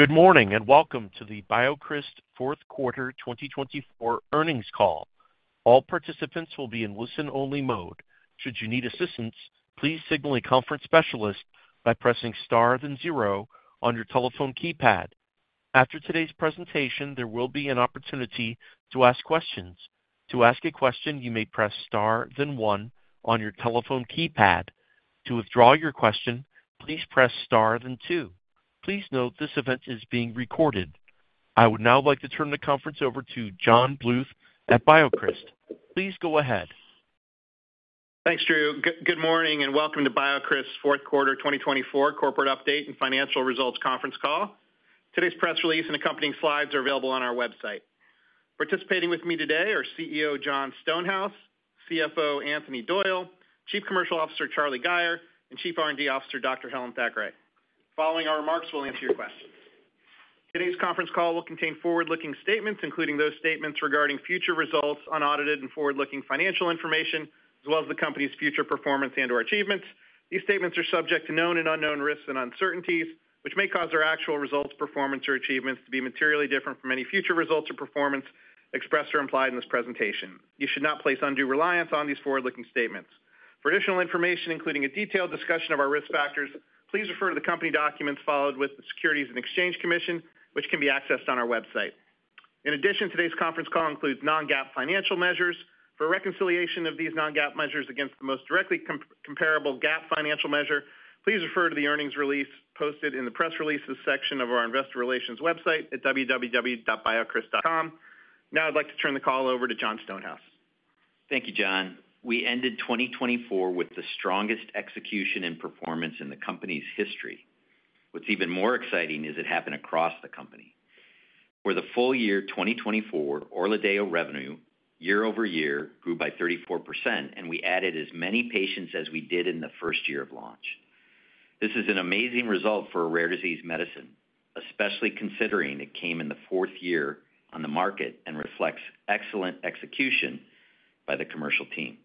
Good morning and welcome to the BioCryst Fourth Quarter 2024 Earnings Call. All participants will be in listen-only mode. Should you need assistance, please signal a conference specialist by pressing star then zero on your telephone keypad. After today's presentation, there will be an opportunity to ask questions. To ask a question, you may press star then one on your telephone keypad. To withdraw your question, please press star then two. Please note this event is being recorded. I would now like to turn the conference over to John Bluth at BioCryst. Please go ahead. Thanks, Drew. Good morning and welcome to BioCryst Q4 2024 corporate update and financial results conference call. Today's press release and accompanying slides are available on our website. Participating with me today are CEO Jon Stonehouse, CFO Anthony Doyle, Chief Commercial Officer Charlie Gayer, and Chief R&D Officer Dr. Helen Thackray. Following our remarks, we'll answer your questions. Today's conference call will contain forward-looking statements, including those statements regarding future results, unaudited, and forward-looking financial information, as well as the company's future performance and/or achievements. These statements are subject to known and unknown risks and uncertainties, which may cause their actual results, performance, or achievements to be materially different from any future results or performance expressed or implied in this presentation. You should not place undue reliance on these forward-looking statements. For additional information, including a detailed discussion of our risk factors, please refer to the company documents filed with the Securities and Exchange Commission, which can be accessed on our website. In addition, today's conference call includes non-GAAP financial measures. For reconciliation of these non-GAAP measures against the most directly comparable GAAP financial measure, please refer to the earnings release posted in the press releases section of our investor relations website at www.biocryst.com. Now I'd like to turn the call over to Jon Stonehouse. Thank you, John. We ended 2024 with the strongest execution and performance in the company's history. What's even more exciting is it happened across the company. For the full year 2024, ORLADEYO revenue year-over-year grew by 34%, and we added as many patients as we did in the first year of launch. This is an amazing result for a rare disease medicine, especially considering it came in the fourth year on the market and reflects excellent execution by the commercial team.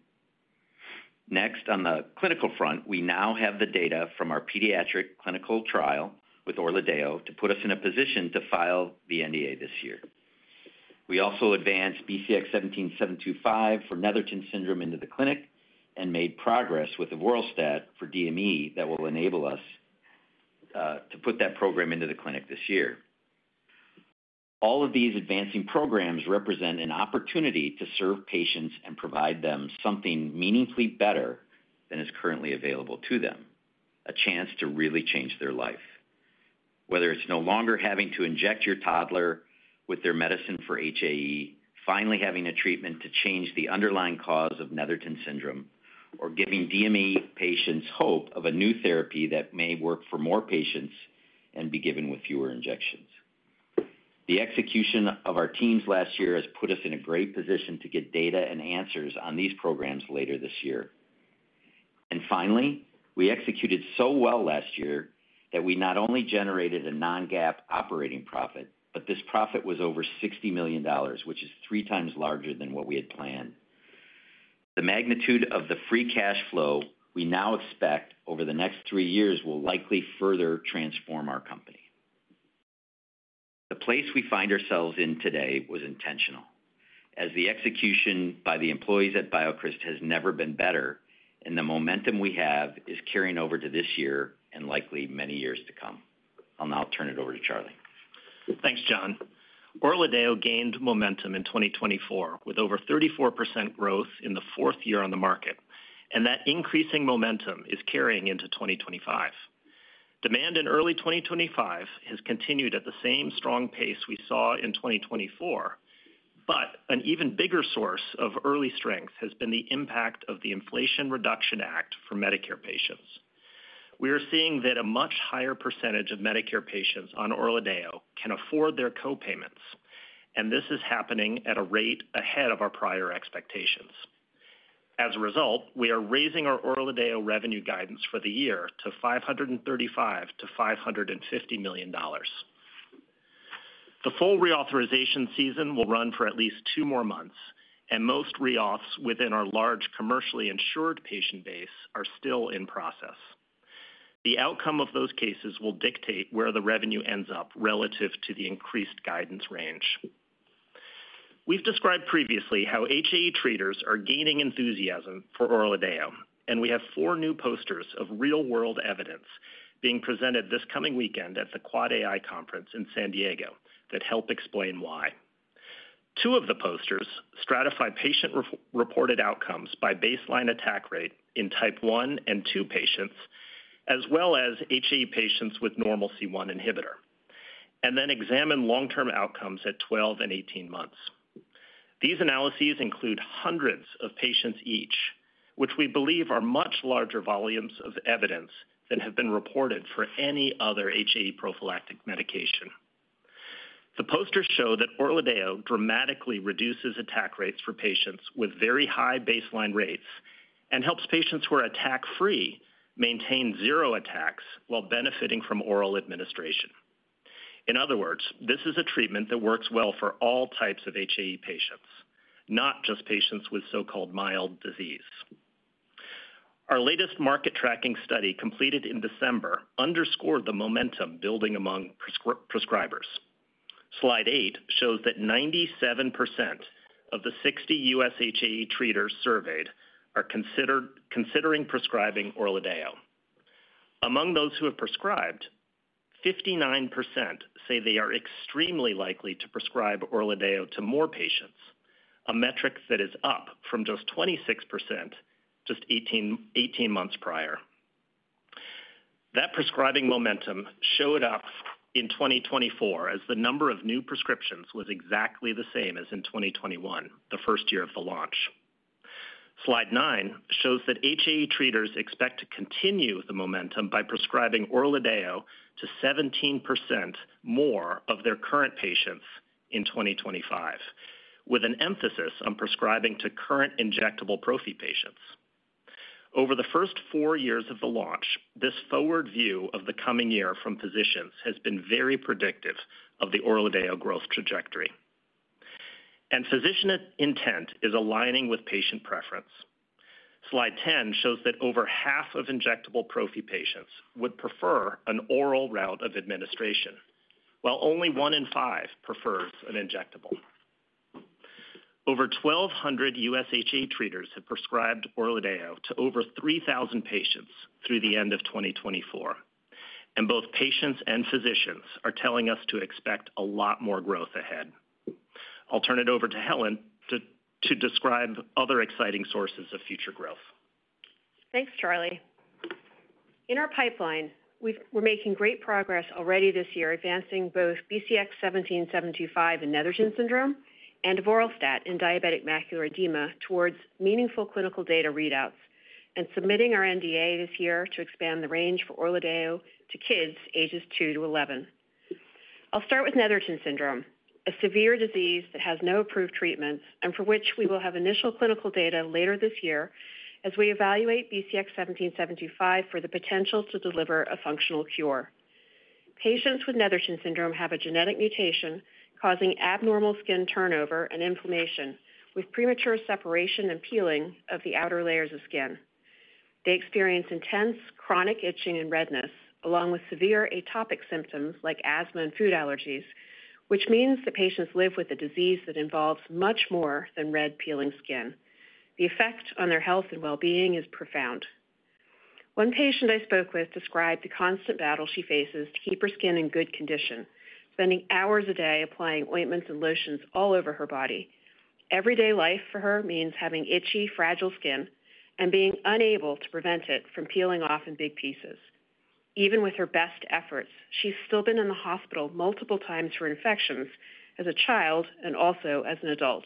Next, on the clinical front, we now have the data from our pediatric clinical trial with ORLADEYO to put us in a position to file the NDA this year. We also advanced BCX17725 for Netherton syndrome into the clinic and made progress with the avoralstat for DME that will enable us to put that program into the clinic this year. All of these advancing programs represent an opportunity to serve patients and provide them something meaningfully better than is currently available to them: a chance to really change their life. Whether it's no longer having to inject your toddler with their medicine for HAE, finally having a treatment to change the underlying cause of Netherton syndrome, or giving DME patients hope of a new therapy that may work for more patients and be given with fewer injections. The execution of our teams last year has put us in a great position to get data and answers on these programs later this year. And finally, we executed so well last year that we not only generated a non-GAAP operating profit, but this profit was over $60 million, which is three times larger than what we had planned. The magnitude of the free cash flow we now expect over the next three years will likely further transform our company. The place we find ourselves in today was intentional, as the execution by the employees at BioCryst has never been better, and the momentum we have is carrying over to this year and likely many years to come. I'll now turn it over to Charlie. Thanks, Jon. ORLADEYO gained momentum in 2024 with over 34% growth in the fourth year on the market, and that increasing momentum is carrying into 2025. Demand in early 2025 has continued at the same strong pace we saw in 2024, but an even bigger source of early strength has been the impact of the Inflation Reduction Act for Medicare patients. We are seeing that a much higher percentage of Medicare patients on ORLADEYO can afford their co-payments, and this is happening at a rate ahead of our prior expectations. As a result, we are raising our ORLADEYO revenue guidance for the year to $535-$550 million. The full reauthorization season will run for at least two more months, and most reauths within our large commercially insured patient base are still in process. The outcome of those cases will dictate where the revenue ends up relative to the increased guidance range. We've described previously how HAE treaters are gaining enthusiasm for ORLADEYO, and we have four new posters of real-world evidence being presented this coming weekend at the AAAAI Conference in San Diego that help explain why. Two of the posters stratify patient-reported outcomes by baseline attack rate in Type I and II patients, as well as HAE patients with normal C1-inhibitor, and then examine long-term outcomes at 12 and 18 months. These analyses include hundreds of patients each, which we believe are much larger volumes of evidence than have been reported for any other HAE prophylactic medication. The posters show that ORLADEYO dramatically reduces attack rates for patients with very high baseline rates and helps patients who are attack-free maintain zero attacks while benefiting from oral administration. In other words, this is a treatment that works well for all types of HAE patients, not just patients with so-called mild disease. Our latest market tracking study completed in December underscored the momentum building among prescribers. Slide 8 shows that 97% of the 60 U.S. HAE treaters surveyed are considering prescribing ORLADEYO. Among those who have prescribed, 59% say they are extremely likely to prescribe ORLADEYO to more patients, a metric that is up from just 26% just 18 months prior. That prescribing momentum showed up in 2024 as the number of new prescriptions was exactly the same as in 2021, the first year of the launch. Slide 9 shows that HAE treaters expect to continue the momentum by prescribing ORLADEYO to 17% more of their current patients in 2025, with an emphasis on prescribing to current injectable prophy patients. Over the first four years of the launch, this forward view of the coming year from physicians has been very predictive of the ORLADEYO growth trajectory, and physician intent is aligning with patient preference. Slide 10 shows that over half of injectable prophy patients would prefer an oral route of administration, while only one in five prefers an injectable. Over 1,200 U.S. HAE treaters have prescribed ORLADEYO to over 3,000 patients through the end of 2024, and both patients and physicians are telling us to expect a lot more growth ahead. I'll turn it over to Helen to describe other exciting sources of future growth. Thanks, Charlie. In our pipeline, we're making great progress already this year, advancing both BCX17725 in Netherton syndrome and avoralstat in diabetic macular edema towards meaningful clinical data readouts and submitting our NDA this year to expand the range for ORLADEYO to kids ages two to 11. I'll start with Netherton syndrome, a severe disease that has no approved treatments and for which we will have initial clinical data later this year as we evaluate BCX17725 for the potential to deliver a functional cure. Patients with Netherton syndrome have a genetic mutation causing abnormal skin turnover and inflammation with premature separation and peeling of the outer layers of skin. They experience intense chronic itching and redness, along with severe atopic symptoms like asthma and food allergies, which means that patients live with a disease that involves much more than red peeling skin. The effect on their health and well-being is profound. One patient I spoke with described the constant battle she faces to keep her skin in good condition, spending hours a day applying ointments and lotions all over her body. Everyday life for her means having itchy, fragile skin and being unable to prevent it from peeling off in big pieces. Even with her best efforts, she's still been in the hospital multiple times for infections as a child and also as an adult.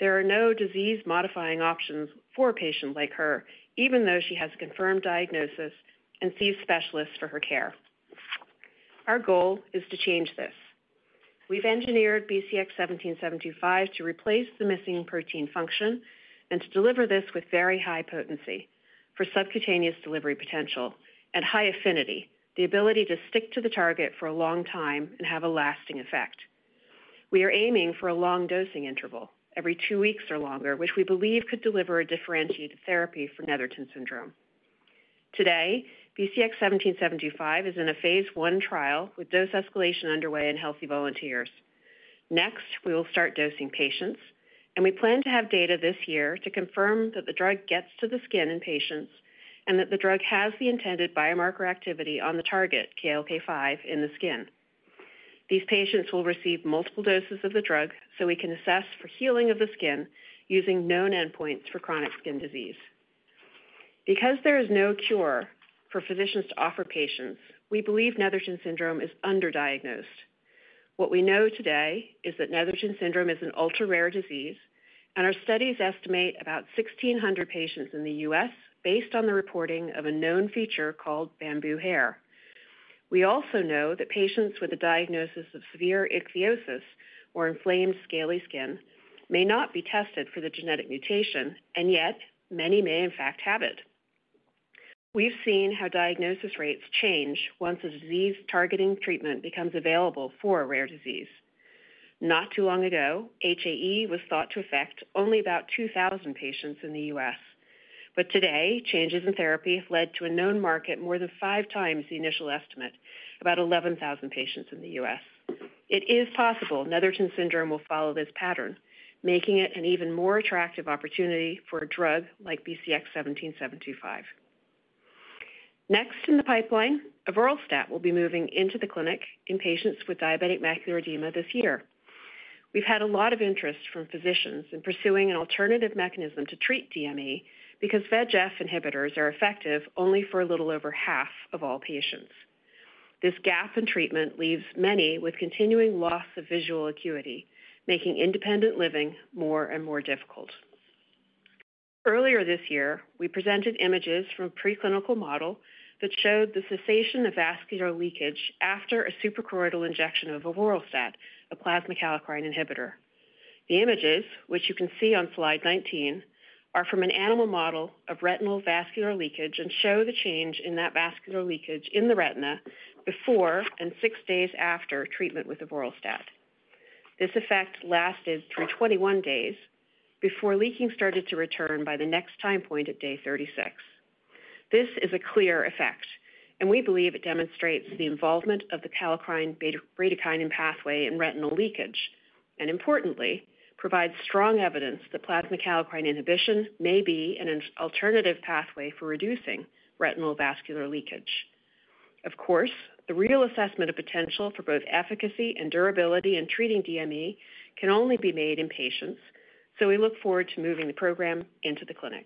There are no disease-modifying options for a patient like her, even though she has a confirmed diagnosis and sees specialists for her care. Our goal is to change this. We've engineered BCX17725 to replace the missing protein function and to deliver this with very high potency for subcutaneous delivery potential and high affinity, the ability to stick to the target for a long time and have a lasting effect. We are aiming for a long dosing interval, every two weeks or longer, which we believe could deliver a differentiated therapy for Netherton syndrome. Today, BCX17725 is in a phase I trial with dose escalation underway and healthy volunteers. Next, we will start dosing patients, and we plan to have data this year to confirm that the drug gets to the skin in patients and that the drug has the intended biomarker activity on the target, KLK5, in the skin. These patients will receive multiple doses of the drug so we can assess for healing of the skin using known endpoints for chronic skin disease. Because there is no cure for physicians to offer patients, we believe Netherton syndrome is underdiagnosed. What we know today is that Netherton syndrome is an ultra-rare disease, and our studies estimate about 1,600 patients in the U.S. based on the reporting of a known feature called bamboo hair. We also know that patients with a diagnosis of severe ichthyosis or inflamed scaly skin may not be tested for the genetic mutation, and yet many may, in fact, have it. We've seen how diagnosis rates change once a disease-targeting treatment becomes available for a rare disease. Not too long ago, HAE was thought to affect only about 2,000 patients in the U.S., but today, changes in therapy have led to a known market more than five times the initial estimate, about 11,000 patients in the U.S. It is possible Netherton syndrome will follow this pattern, making it an even more attractive opportunity for a drug like BCX17725. Next in the pipeline, avoralstat will be moving into the clinic in patients with diabetic macular edema this year. We've had a lot of interest from physicians in pursuing an alternative mechanism to treat DME because VEGF inhibitors are effective only for a little over half of all patients. This gap in treatment leaves many with continuing loss of visual acuity, making independent living more and more difficult. Earlier this year, we presented images from a preclinical model that showed the cessation of vascular leakage after a suprachoroidal injection of avoralstat, a plasma kallikrein inhibitor. The images, which you can see on slide 19, are from an animal model of retinal vascular leakage and show the change in that vascular leakage in the retina before and six days after treatment with avoralstat. This effect lasted through 21 days before leaking started to return by the next time point at day 36. This is a clear effect, and we believe it demonstrates the involvement of the kallikrein-bradykinin pathway in retinal leakage and, importantly, provides strong evidence that plasma kallikrein inhibition may be an alternative pathway for reducing retinal vascular leakage. Of course, the real assessment of potential for both efficacy and durability in treating DME can only be made in patients, so we look forward to moving the program into the clinic.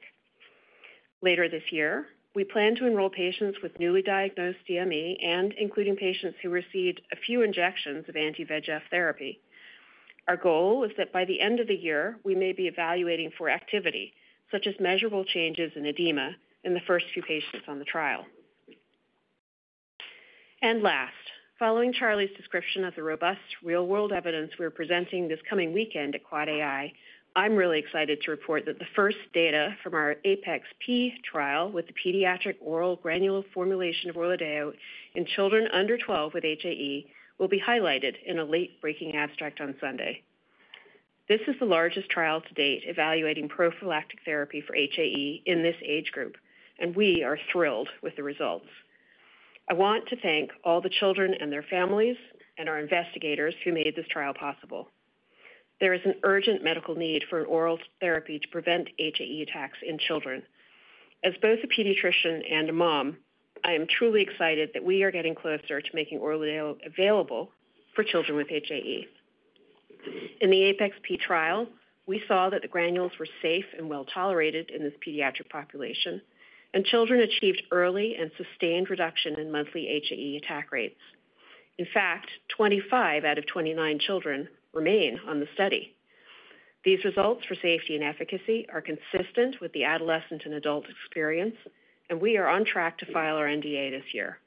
Later this year, we plan to enroll patients with newly diagnosed DME and including patients who received a few injections of anti-VEGF therapy. Our goal is that by the end of the year, we may be evaluating for activity, such as measurable changes in edema in the first few patients on the trial, and last, following Charlie's description of the robust real-world evidence we're presenting this coming weekend at AAAAI, I'm really excited to report that the first data from our APeX-P trial with the pediatric oral granular formulation of ORLADEYO in children under 12 with HAE will be highlighted in a late-breaking abstract on Sunday. This is the largest trial to date evaluating prophylactic therapy for HAE in this age group, and we are thrilled with the results. I want to thank all the children and their families and our investigators who made this trial possible. There is an urgent medical need for an oral therapy to prevent HAE attacks in children. As both a pediatrician and a mom, I am truly excited that we are getting closer to making ORLADEYO available for children with HAE. In the APeX-P trial, we saw that the granules were safe and well tolerated in this pediatric population, and children achieved early and sustained reduction in monthly HAE attack rates. In fact, 25 out of 29 children remain on the study. These results for safety and efficacy are consistent with the adolescent and adult experience, and we are on track to file our NDA this year.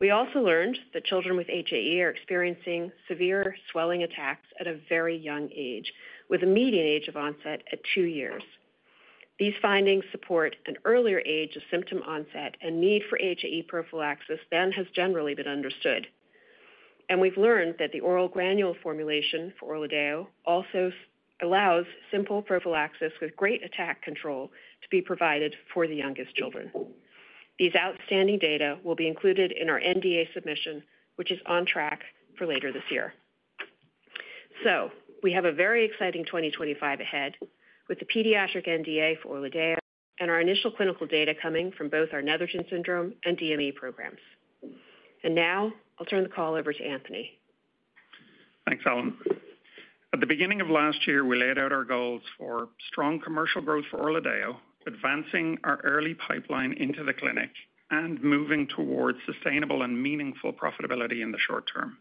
We also learned that children with HAE are experiencing severe swelling attacks at a very young age, with a median age of onset at two years. These findings support an earlier age of symptom onset and need for HAE prophylaxis than has generally been understood. We've learned that the oral granule formulation for ORLADEYO also allows simple prophylaxis with great attack control to be provided for the youngest children. These outstanding data will be included in our NDA submission, which is on track for later this year. We have a very exciting 2025 ahead with the pediatric NDA for ORLADEYO and our initial clinical data coming from both our Netherton syndrome and DME programs. Now I'll turn the call over to Anthony. Thanks, Helen. At the beginning of last year, we laid out our goals for strong commercial growth for ORLADEYO, advancing our early pipeline into the clinic and moving towards sustainable and meaningful profitability in the short term,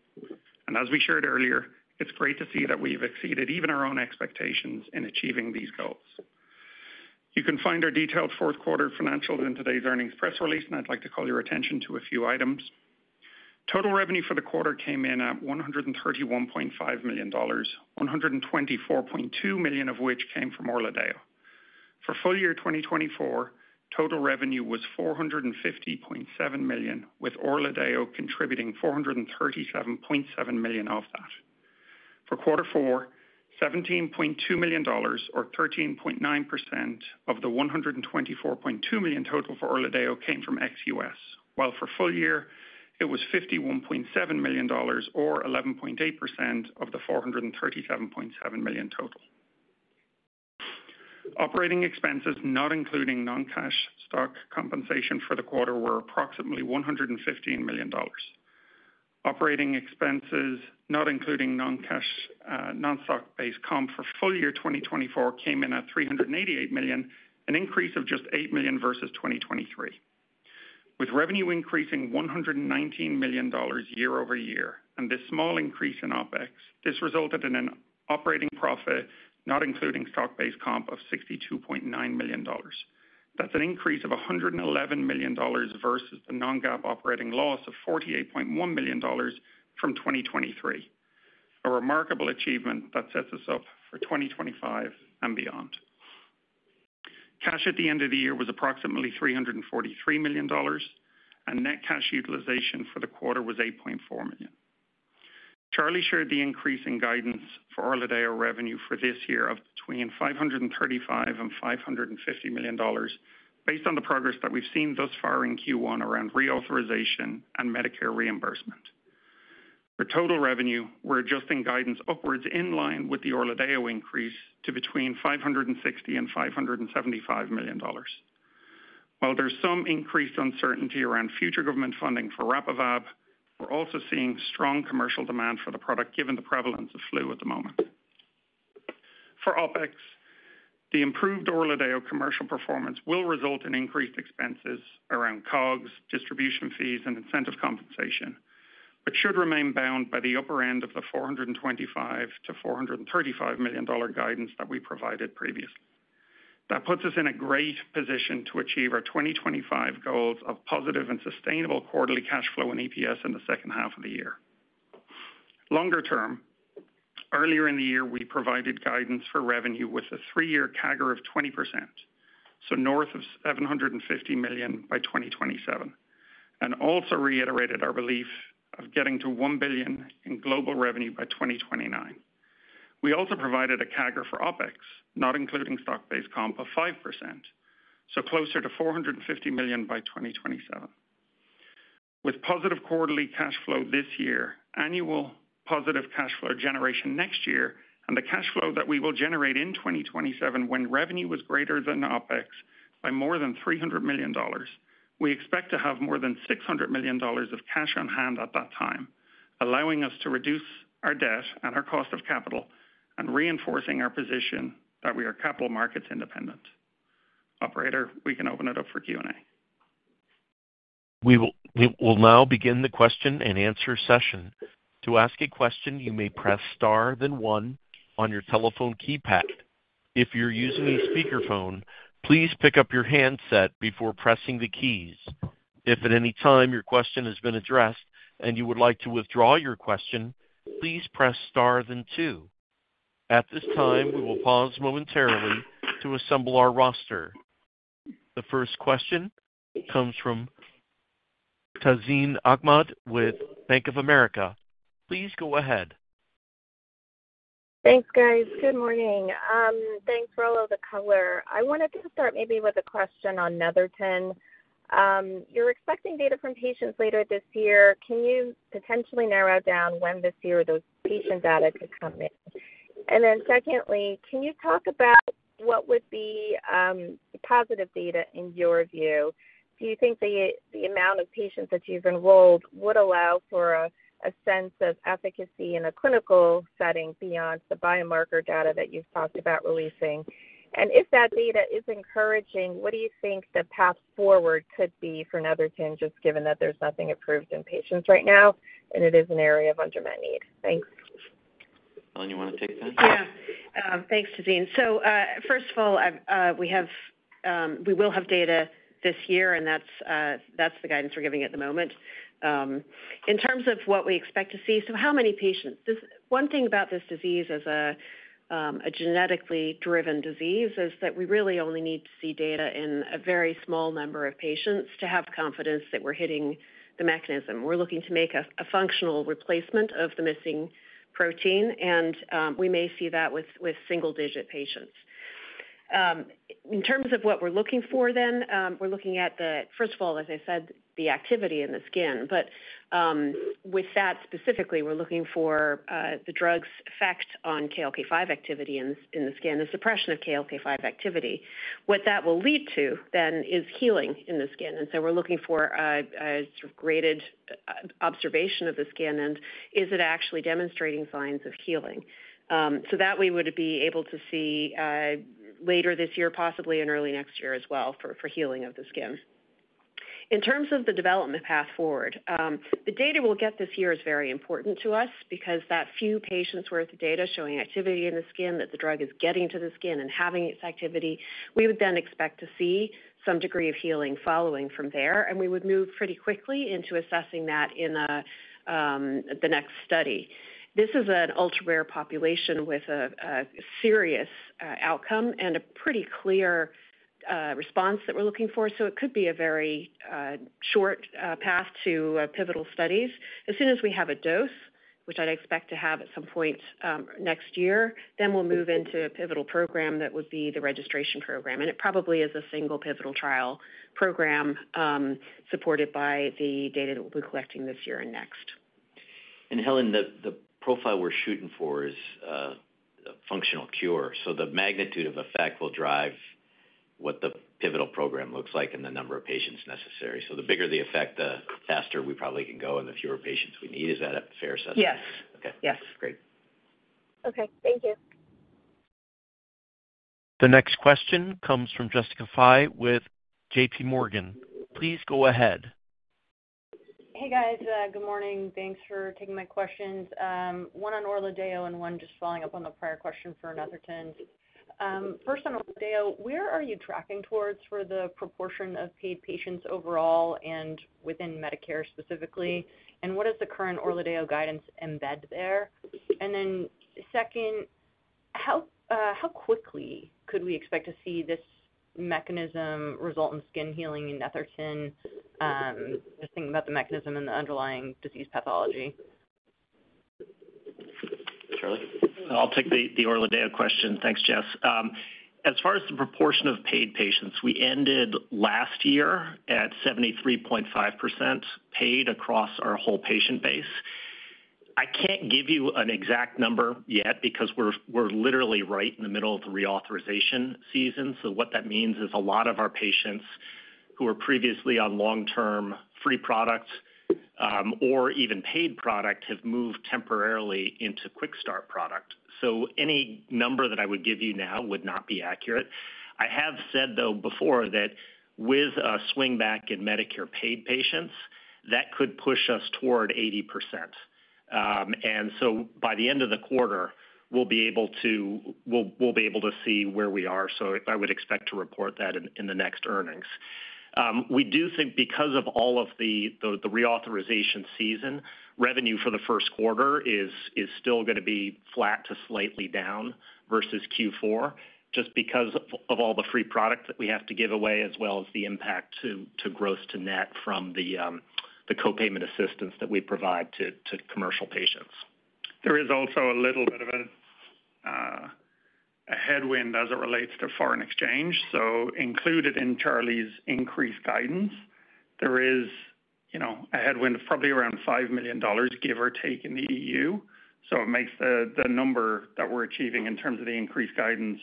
and as we shared earlier, it's great to see that we've exceeded even our own expectations in achieving these goals. You can find our detailed fourth quarter financials in today's earnings press release, and I'd like to call your attention to a few items. Total revenue for the quarter came in at $131.5 million, $124.2 million of which came from ORLADEYO. For full year 2024, total revenue was $450.7 million, with ORLADEYO contributing $437.7 million of that. For quarter four, $17.2 million, or 13.9% of the $124.2 million total for ORLADEYO, came from ex-U.S., while for full year, it was $51.7 million, or 11.8% of the $437.7 million total. Operating expenses, not including non-cash stock compensation for the quarter, were approximately $115 million. Operating expenses, not including non-cash stock-based comp for full year 2024, came in at $388 million, an increase of just $8 million versus 2023. With revenue increasing $119 million year-over-year and this small increase in OpEx, this resulted in an operating profit, not including stock-based comp, of $62.9 million. That's an increase of $111 million versus the non-GAAP operating loss of $48.1 million from 2023, a remarkable achievement that sets us up for 2025 and beyond. Cash at the end of the year was approximately $343 million, and net cash utilization for the quarter was $8.4 million. Charlie shared the increase in guidance for ORLADEYO revenue for this year of between $535 and $550 million, based on the progress that we've seen thus far in Q1 around reauthorization and Medicare reimbursement. For total revenue, we're adjusting guidance upwards in line with the ORLADEYO increase to between $560-$575 million. While there's some increased uncertainty around future government funding for RAPIVAB, we're also seeing strong commercial demand for the product given the prevalence of flu at the moment. For OpEx, the improved ORLADEYO commercial performance will result in increased expenses around COGS, distribution fees, and incentive compensation, but should remain bound by the upper end of the $425-$435 million guidance that we provided previously. That puts us in a great position to achieve our 2025 goals of positive and sustainable quarterly cash flow and EPS in the second half of the year. Longer term, earlier in the year, we provided guidance for revenue with a three-year CAGR of 20%, so north of $750 million by 2027, and also reiterated our belief of getting to $1 billion in global revenue by 2029. We also provided a CAGR for OpEx, not including stock-based comp, of 5%, so closer to $450 million by 2027. With positive quarterly cash flow this year, annual positive cash flow generation next year, and the cash flow that we will generate in 2027 when revenue was greater than OpEx by more than $300 million, we expect to have more than $600 million of cash on hand at that time, allowing us to reduce our debt and our cost of capital and reinforcing our position that we are capital markets independent. Operator, we can open it up for Q&A. We will now begin the question and answer session. To ask a question, you may press star then one on your telephone keypad. If you're using a speakerphone, please pick up your handset before pressing the keys. If at any time your question has been addressed and you would like to withdraw your question, please press star then two. At this time, we will pause momentarily to assemble our roster. The first question comes from Tazeen Ahmad with Bank of America. Please go ahead. Thanks, guys. Good morning. Thanks for all of the color. I wanted to start maybe with a question on Netherton. You're expecting data from patients later this year. Can you potentially narrow down when this year those patient data could come in? And then secondly, can you talk about what would be positive data in your view? Do you think the amount of patients that you've enrolled would allow for a sense of efficacy in a clinical setting beyond the biomarker data that you've talked about releasing? And if that data is encouraging, what do you think the path forward could be for Netherton, just given that there's nothing approved in patients right now and it is an area of unmet need? Thanks. Helen, you want to take that? Yeah. Thanks, Tazeen. So first of all, we will have data this year, and that's the guidance we're giving at the moment. In terms of what we expect to see, so how many patients? One thing about this disease as a genetically driven disease is that we really only need to see data in a very small number of patients to have confidence that we're hitting the mechanism. We're looking to make a functional replacement of the missing protein, and we may see that with single-digit patients. In terms of what we're looking for, then, we're looking at the, first of all, as I said, the activity in the skin. But with that specifically, we're looking for the drug's effect on KLK5 activity in the skin, the suppression of KLK5 activity. What that will lead to, then, is healing in the skin. And so we're looking for a sort of graded observation of the skin and is it actually demonstrating signs of healing. So that way, we would be able to see later this year, possibly in early next year as well, for healing of the skin. In terms of the development path forward, the data we'll get this year is very important to us because that few patients' worth of data showing activity in the skin, that the drug is getting to the skin and having its activity, we would then expect to see some degree of healing following from there, and we would move pretty quickly into assessing that in the next study. This is an ultra-rare population with a serious outcome and a pretty clear response that we're looking for, so it could be a very short path to pivotal studies. As soon as we have a dose, which I'd expect to have at some point next year, then we'll move into a pivotal program that would be the registration program. And it probably is a single pivotal trial program supported by the data that we'll be collecting this year and next. And Helen, the profile we're shooting for is a functional cure. So the magnitude of effect will drive what the pivotal program looks like and the number of patients necessary. So the bigger the effect, the faster we probably can go and the fewer patients we need. Is that a fair assessment? Yes. Okay. Great. Okay. Thank you. The next question comes from Jessica Fye with JPMorgan. Please go ahead. Hey, guys. Good morning. Thanks for taking my questions. One on ORLADEYO and one just following up on the prior question for Netherton. First, on ORLADEYO, where are you tracking towards for the proportion of paid patients overall and within Medicare specifically? And what does the current ORLADEYO guidance embed there? And then second, how quickly could we expect to see this mechanism result in skin healing in Netherton? Just thinking about the mechanism and the underlying disease pathology. Charlie? I'll take the ORLADEYO question. Thanks, Jess. As far as the proportion of paid patients, we ended last year at 73.5% paid across our whole patient base. I can't give you an exact number yet because we're literally right in the middle of the reauthorization season. So what that means is a lot of our patients who were previously on long-term free product or even paid product have moved temporarily into Quick Start product. So any number that I would give you now would not be accurate. I have said, though, before that with a swing back in Medicare paid patients, that could push us toward 80%. And so by the end of the quarter, we'll be able to see where we are. So I would expect to report that in the next earnings. We do think because of all of the reauthorization season, revenue for the first quarter is still going to be flat to slightly down versus Q4, just because of all the free product that we have to give away, as well as the impact to gross-to-net from the co-payment assistance that we provide to commercial patients. There is also a little bit of a headwind as it relates to foreign exchange. So included in Charlie's increased guidance, there is a headwind of probably around $5 million, give or take, in the E.U. So it makes the number that we're achieving in terms of the increased guidance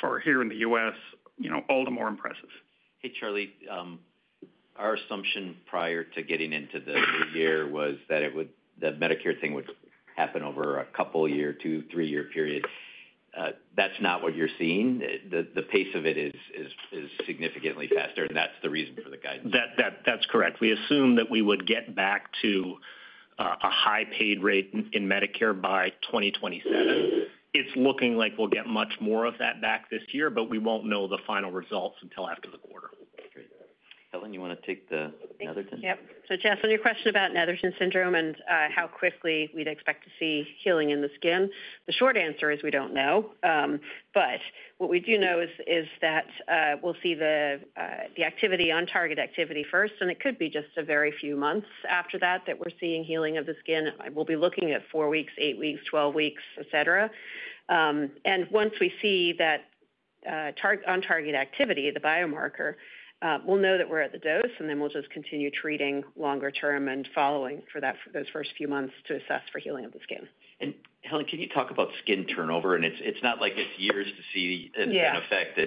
for here in the U.S. all the more impressive. Hey, Charlie. Our assumption prior to getting into the new year was that the Medicare thing would happen over a couple-year, two, three-year period. That's not what you're seeing. The pace of it is significantly faster, and that's the reason for the guidance. That's correct. We assume that we would get back to a high paid rate in Medicare by 2027. It's looking like we'll get much more of that back this year, but we won't know the final results until after the quarter. Helen, you want to take the Netherton? Yep. So, Jess, on your question about Netherton syndrome and how quickly we'd expect to see healing in the skin, the short answer is we don't know. But what we do know is that we'll see the activity on target activity first, and it could be just a very few months after that that we're seeing healing of the skin. We'll be looking at four weeks, eight weeks, twelve weeks, etc. And once we see that on target activity, the biomarker, we'll know that we're at the dose, and then we'll just continue treating longer term and following for those first few months to assess for healing of the skin. And Helen, can you talk about skin turnover? And it's not like it's years to see an effect.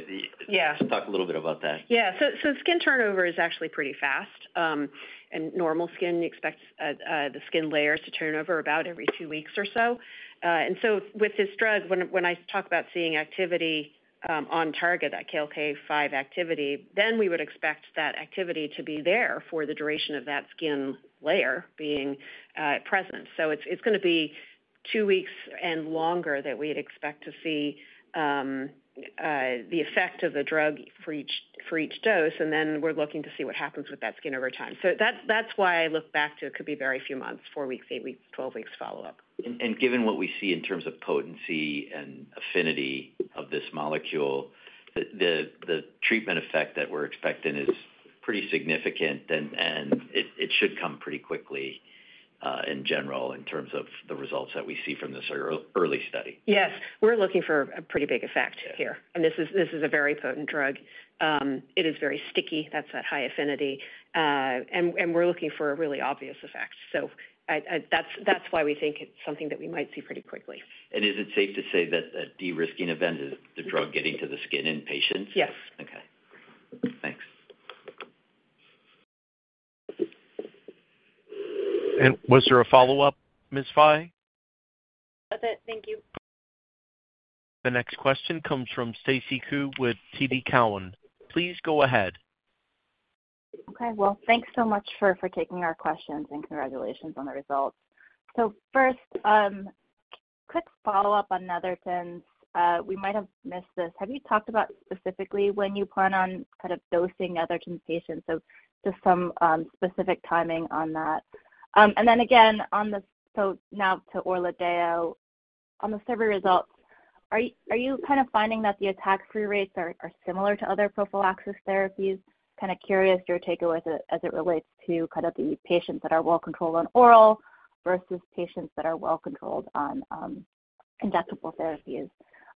Yes. Just talk a little bit about that. Yeah. So skin turnover is actually pretty fast. And normal skin expects the skin layers to turn over about every two weeks or so. And so with this drug, when I talk about seeing activity on target, that KLK5 activity, then we would expect that activity to be there for the duration of that skin layer being present. So it's going to be two weeks and longer that we'd expect to see the effect of the drug for each dose. And then we're looking to see what happens with that skin over time. So that's why I look back to it could be very few months, four weeks, eight weeks, 12 weeks follow-up. Given what we see in terms of potency and affinity of this molecule, the treatment effect that we're expecting is pretty significant, and it should come pretty quickly in general in terms of the results that we see from this early study. Yes. We're looking for a pretty big effect here. And this is a very potent drug. It is very sticky. That's that high affinity. And we're looking for a really obvious effect. So that's why we think it's something that we might see pretty quickly. Is it safe to say that the de-risking event is the drug getting to the skin in patients? Yes. Okay. Thanks. Was there a follow-up, Ms. Fye? That's it. Thank you. The next question comes from Stacy Ku with TD Cowen. Please go ahead. Okay. Well, thanks so much for taking our questions and congratulations on the results. So first, quick follow-up on Netherton. We might have missed this. Have you talked about specifically when you plan on kind of dosing Netherton patients? So just some specific timing on that. And then again, so now to ORLADEYO, on the survey results, are you kind of finding that the attack-free rates are similar to other prophylaxis therapies? Kind of curious your takeaways as it relates to kind of the patients that are well-controlled on oral versus patients that are well-controlled on injectable therapies.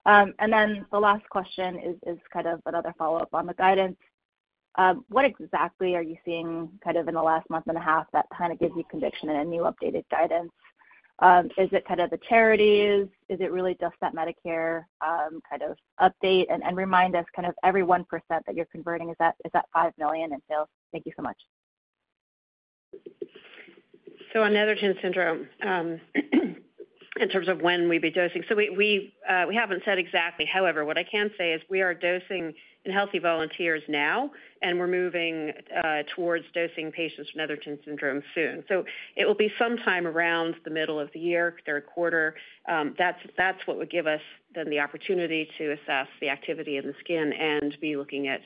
And then the last question is kind of another follow-up on the guidance. What exactly are you seeing kind of in the last month and a half that kind of gives you conviction in a new updated guidance? Is it kind of the charities? Is it really just that Medicare kind of update and remind us kind of every 1% that you're converting? Is that $5 million in sales? Thank you so much. So, on Netherton syndrome, in terms of when we'd be dosing, so we haven't said exactly. However, what I can say is we are dosing in healthy volunteers now, and we're moving towards dosing patients for Netherton syndrome soon. So it will be sometime around the middle of the year, third quarter. That's what would give us then the opportunity to assess the activity in the skin and be looking at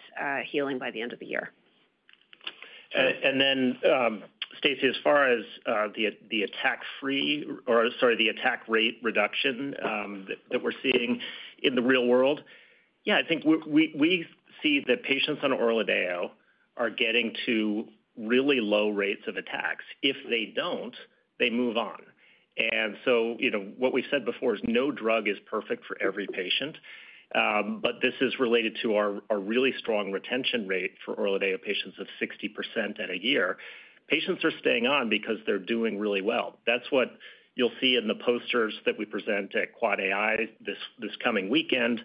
healing by the end of the year. And then, Stacy, as far as the attack-free or, sorry, the attack-rate reduction that we're seeing in the real world, yeah, I think we see that patients on ORLADEYO are getting to really low rates of attacks. If they don't, they move on. And so what we've said before is no drug is perfect for every patient. But this is related to our really strong retention rate for ORLADEYO patients of 60% in a year. Patients are staying on because they're doing really well. That's what you'll see in the posters that we present at AAAAI this coming weekend,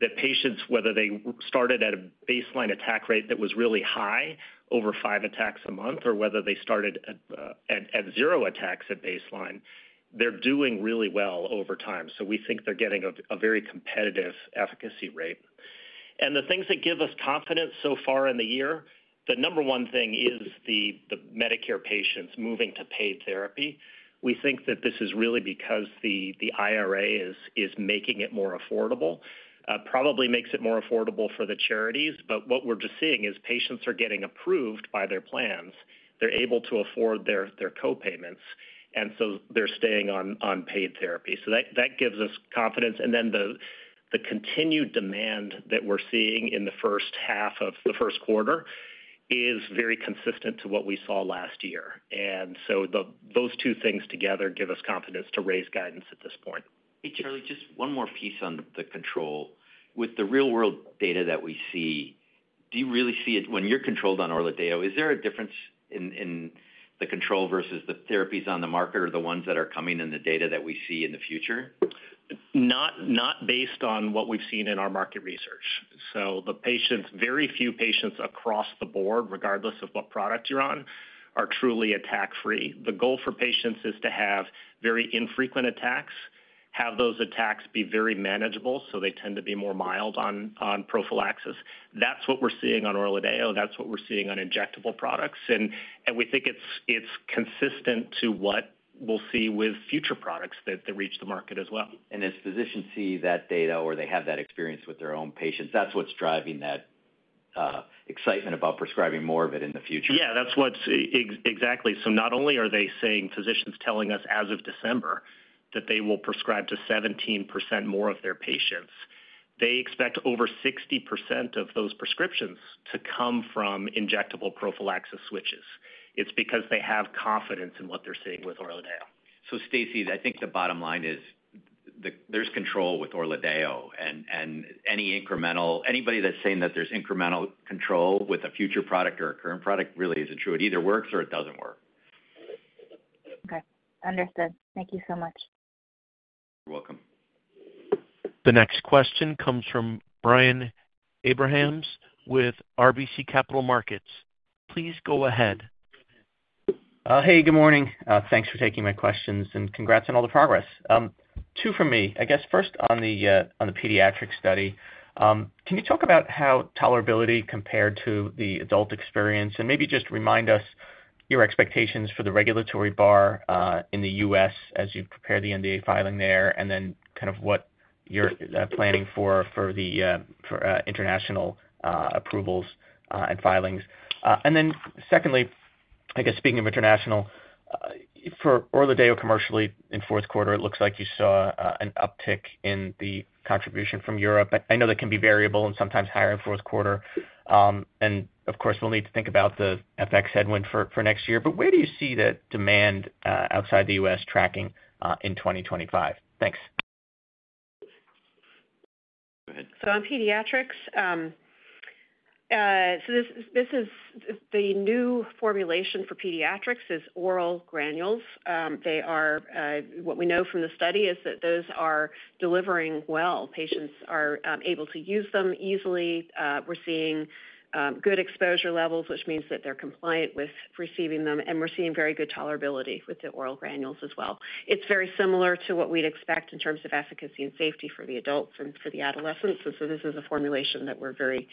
that patients, whether they started at a baseline attack rate that was really high, over five attacks a month, or whether they started at zero attacks at baseline, they're doing really well over time. So we think they're getting a very competitive efficacy rate. The things that give us confidence so far in the year, the number one thing is the Medicare patients moving to paid therapy. We think that this is really because the IRA is making it more affordable. Probably makes it more affordable for the charities. What we're just seeing is patients are getting approved by their plans. They're able to afford their co-payments, and so they're staying on paid therapy. That gives us confidence. The continued demand that we're seeing in the first half of the first quarter is very consistent to what we saw last year. Those two things together give us confidence to raise guidance at this point. Hey, Charlie, just one more piece on the control. With the real-world data that we see, do you really see it when you're controlled on ORLADEYO? Is there a difference in the control versus the therapies on the market or the ones that are coming in the data that we see in the future? Not based on what we've seen in our market research. So the patients, very few patients across the board, regardless of what product you're on, are truly attack-free. The goal for patients is to have very infrequent attacks, have those attacks be very manageable, so they tend to be more mild on prophylaxis. That's what we're seeing on ORLADEYO. That's what we're seeing on injectable products. And we think it's consistent to what we'll see with future products that reach the market as well. As physicians see that data or they have that experience with their own patients, that's what's driving that excitement about prescribing more of it in the future. Yeah, that's what's exactly. So not only are they saying physicians telling us as of December that they will prescribe to 17% more of their patients, they expect over 60% of those prescriptions to come from injectable prophylaxis switches. It's because they have confidence in what they're seeing with ORLADEYO. So, Stacy, I think the bottom line is there's control with ORLADEYO. And anybody that's saying that there's incremental control with a future product or a current product really isn't true. It either works or it doesn't work. Okay. Understood. Thank you so much. You're welcome. The next question comes from Brian Abrahams with RBC Capital Markets. Please go ahead. Hey, good morning. Thanks for taking my questions and congrats on all the progress. Two from me. I guess first on the pediatric study, can you talk about how tolerability compared to the adult experience and maybe just remind us your expectations for the regulatory bar in the U.S. as you prepare the NDA filing there and then kind of what you're planning for the international approvals and filings? And then secondly, I guess speaking of international, for ORLADEYO commercially in fourth quarter, it looks like you saw an uptick in the contribution from Europe. I know that can be variable and sometimes higher in fourth quarter. And of course, we'll need to think about the FX headwind for next year. But where do you see that demand outside the U.S. tracking in 2025? Thanks. Go ahead. On pediatrics, so this is the new formulation for pediatrics is oral granules. What we know from the study is that those are delivering well. Patients are able to use them easily. We're seeing good exposure levels, which means that they're compliant with receiving them. And we're seeing very good tolerability with the oral granules as well. It's very similar to what we'd expect in terms of efficacy and safety for the adults and for the adolescents. And so this is a formulation that we're very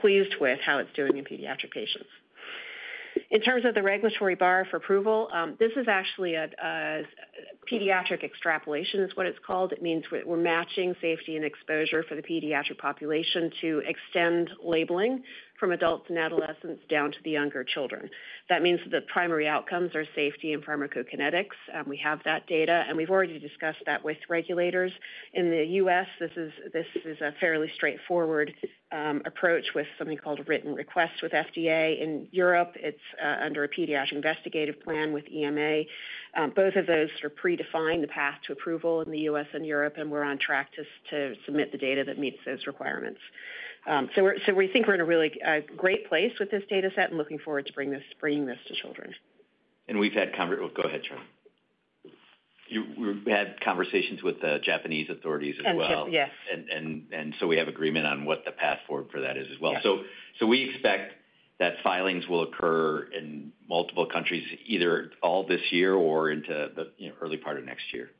pleased with how it's doing in pediatric patients. In terms of the regulatory bar for approval, this is actually a pediatric extrapolation, is what it's called. It means we're matching safety and exposure for the pediatric population to extend labeling from adults and adolescents down to the younger children. That means that the primary outcomes are safety and pharmacokinetics. We have that data. And we've already discussed that with regulators. In the U.S., this is a fairly straightforward approach with something called a Written Request with FDA. In Europe, it's under a Pediatric Investigation Plan with EMA. Both of those sort of predefine the path to approval in the U.S. and Europe, and we're on track to submit the data that meets those requirements. So we think we're in a really great place with this dataset and looking forward to bringing this to children. And we've had, go ahead, Charlie. We've had conversations with the Japanese authorities as well. Japan, yes. And so we have agreement on what the path forward for that is as well. So we expect that filings will occur in multiple countries, either all this year or into the early part of next year.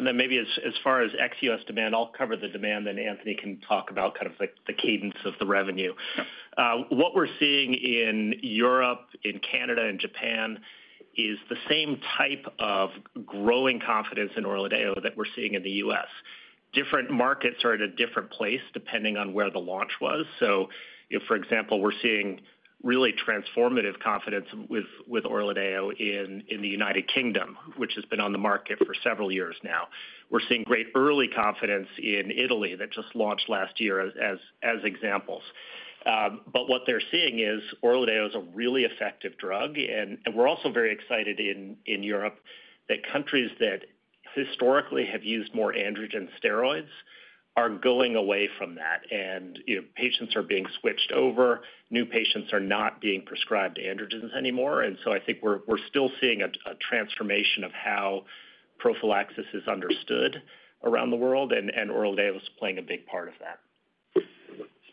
And then maybe as far as ex-U.S. demand, I'll cover the demand. Then Anthony can talk about kind of the cadence of the revenue. What we're seeing in Europe, in Canada, in Japan is the same type of growing confidence in ORLADEYO that we're seeing in the U.S. Different markets are at a different place depending on where the launch was. So for example, we're seeing really transformative confidence with ORLADEYO in the United Kingdom, which has been on the market for several years now. We're seeing great early confidence in Italy, that just launched last year as examples. But what they're seeing is ORLADEYO is a really effective drug. And we're also very excited in Europe that countries that historically have used more androgen steroids are going away from that. And patients are being switched over. New patients are not being prescribed androgens anymore. And so I think we're still seeing a transformation of how prophylaxis is understood around the world. And ORLADEYO is playing a big part of that.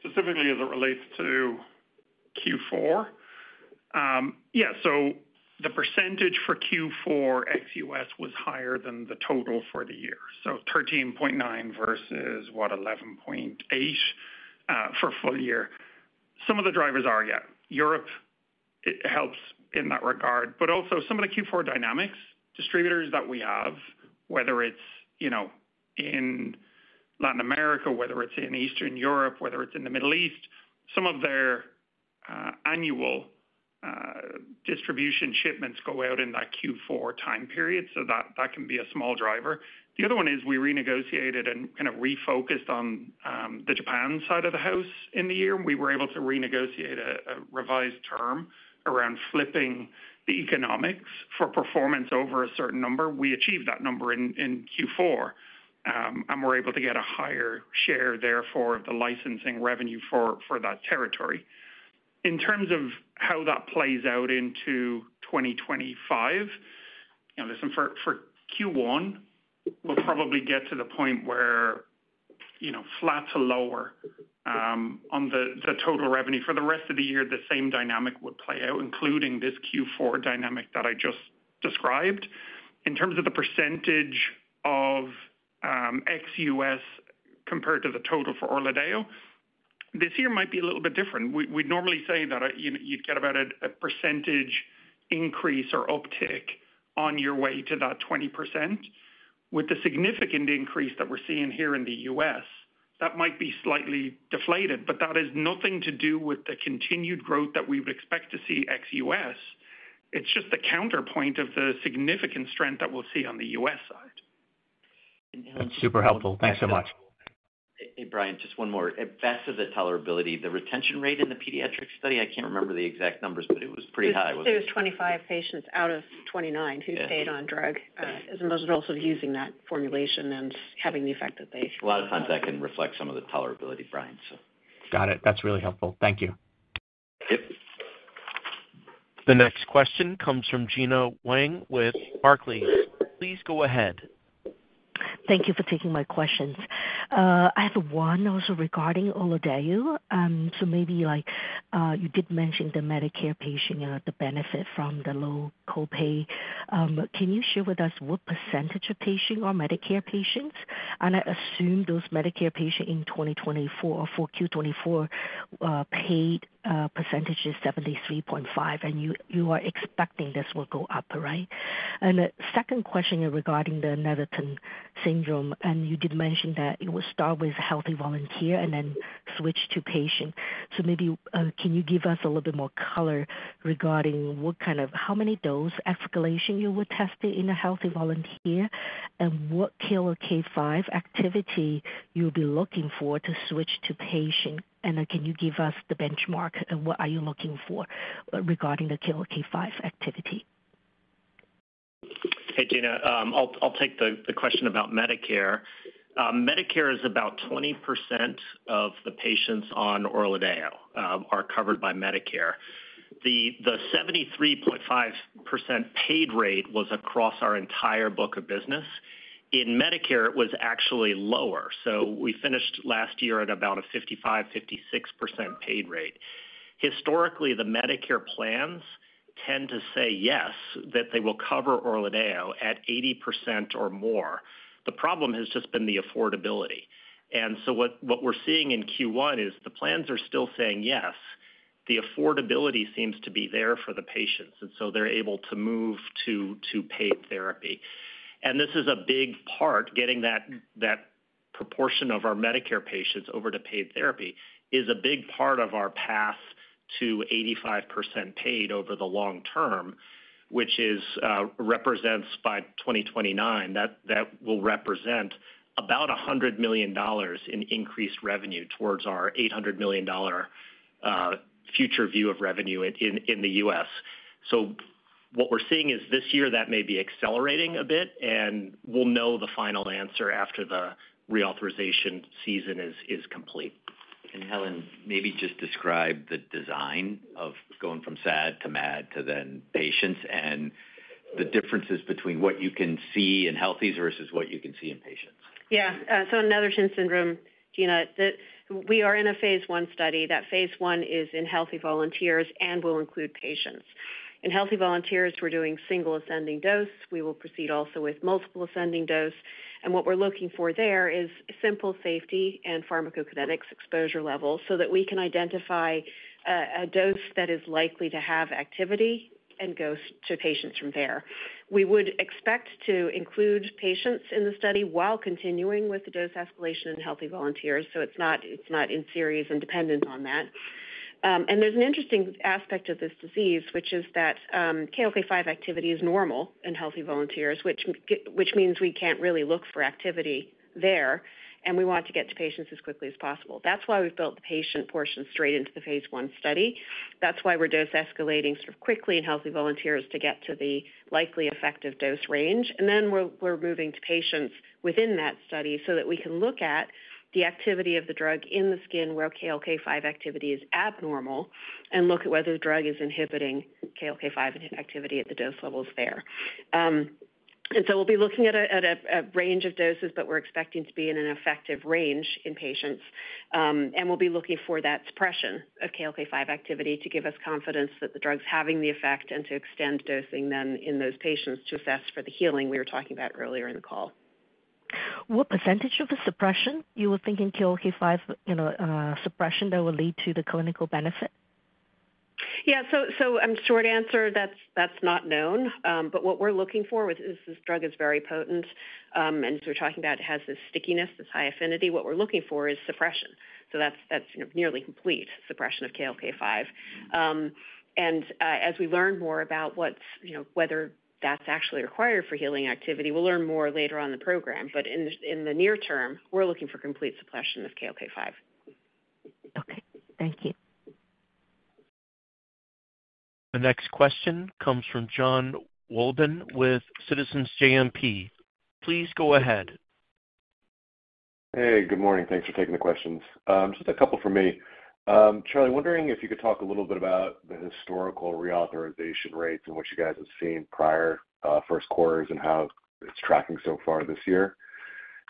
Specifically as it relates to Q4, yeah, so the percentage for Q4 ex-U.S. was higher than the total for the year, so 13.9% versus what, 11.8% for full year. Some of the drivers are, yeah, Europe helps in that regard, but also some of the Q4 dynamics, distributors that we have, whether it's in Latin America, whether it's in Eastern Europe, whether it's in the Middle East, some of their annual distribution shipments go out in that Q4 time period. So that can be a small driver. The other one is we renegotiated and kind of refocused on the Japan side of the house in the year. We were able to renegotiate a revised term around flipping the economics for performance over a certain number. We achieved that number in Q4, and we're able to get a higher share, therefore, of the licensing revenue for that territory. In terms of how that plays out into 2025, listen, for Q1, we'll probably get to the point where flat to lower on the total revenue. For the rest of the year, the same dynamic would play out, including this Q4 dynamic that I just described. In terms of the percentage of ex-U.S. compared to the total for ORLADEYO, this year might be a little bit different. We'd normally say that you'd get about a percentage increase or uptick on your way to that 20%. With the significant increase that we're seeing here in the U.S., that might be slightly deflated, but that is nothing to do with the continued growth that we would expect to see ex-U.S. It's just the counterpoint of the significant strength that we'll see on the U.S. side. Super helpful. Thanks so much. Hey, Brian, just one more. Regarding the tolerability, the retention rate in the pediatric study, I can't remember the exact numbers, but it was pretty high, wasn't it? It was 25 patients out of 29 who stayed on drug as opposed to also using that formulation and having the effect that they. A lot of times that can reflect some of the tolerability, Brian, so. Got it. That's really helpful. Thank you. Yep. The next question comes from Gena Wang with Barclays. Please go ahead. Thank you for taking my questions. I have one also regarding ORLADEYO. So maybe you did mention the Medicare patient and the benefit from the low copay. Can you share with us what percentage of patient or Medicare patients? And I assume those Medicare patients in 2024 or for 2024 paid percentage is 73.5%, and you are expecting this will go up, right? And the second question is regarding the Netherton syndrome. And you did mention that it will start with healthy volunteer and then switch to patient. So maybe can you give us a little bit more color regarding what kind of how many dose escalation you would test it in a healthy volunteer and what KLK5 activity you'll be looking for to switch to patient? And can you give us the benchmark and what are you looking for regarding the KLK5 activity? Hey, Gena, I'll take the question about Medicare. Medicare is about 20% of the patients on ORLADEYO are covered by Medicare. The 73.5% paid rate was across our entire book of business. In Medicare, it was actually lower. So we finished last year at about a 55-56% paid rate. Historically, the Medicare plans tend to say yes, that they will cover ORLADEYO at 80% or more. The problem has just been the affordability. What we're seeing in Q1 is the plans are still saying yes. The affordability seems to be there for the patients. They're able to move to paid therapy. This is a big part. Getting that proportion of our Medicare patients over to paid therapy is a big part of our path to 85% paid over the long term, which represents by 2029, that will represent about $100 million in increased revenue towards our $800 million future view of revenue in the U.S. What we're seeing is this year that may be accelerating a bit. We'll know the final answer after the reauthorization season is complete. Helen, maybe just describe the design of going from SAD to MAD to then patients and the differences between what you can see in healthy versus what you can see in patients. Yeah. So in Netherton syndrome, Gena, we are in a phase I study. That phase I is in healthy volunteers and will include patients. In healthy volunteers, we're doing single ascending dose. We will proceed also with multiple ascending dose. And what we're looking for there is simple safety and pharmacokinetics exposure levels so that we can identify a dose that is likely to have activity and go to patients from there. We would expect to include patients in the study while continuing with the dose escalation in healthy volunteers. So it's not in series and dependent on that. And there's an interesting aspect of this disease, which is that KLK5 activity is normal in healthy volunteers, which means we can't really look for activity there. And we want to get to patients as quickly as possible. That's why we've built the patient portion straight into the phase I study. That's why we're dose escalating sort of quickly in healthy volunteers to get to the likely effective dose range. And then we're moving to patients within that study so that we can look at the activity of the drug in the skin where KLK5 activity is abnormal and look at whether the drug is inhibiting KLK5 activity at the dose levels there. And so we'll be looking at a range of doses, but we're expecting to be in an effective range in patients. And we'll be looking for that suppression of KLK5 activity to give us confidence that the drug's having the effect and to extend dosing then in those patients to assess for the healing we were talking about earlier in the call. What percentage of the suppression you were thinking KLK5 suppression that will lead to the clinical benefit? Yeah. So short answer, that's not known. But what we're looking for is this drug is very potent. And as we're talking about, it has this stickiness, this high affinity. What we're looking for is suppression. So that's nearly complete suppression of KLK5. And as we learn more about whether that's actually required for healing activity, we'll learn more later on in the program. But in the near term, we're looking for complete suppression of KLK5. Okay. Thank you. The next question comes from Jon Wolleben with Citizens JMP. Please go ahead. Hey, good morning. Thanks for taking the questions. Just a couple for me. Charlie, wondering if you could talk a little bit about the historical reauthorization rates and what you guys have seen prior first quarter and how it's tracking so far this year.